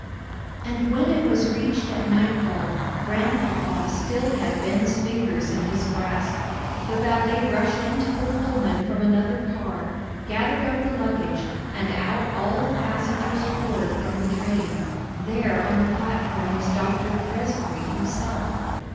And when it was reached at nightfall, Grandpapa still had Ben's fingers in his grasp; the valet rushed into the Pullman from another car, gathered up the luggage, and out all the passengers poured from the train. There on the platform was Dr. Presbrey himself.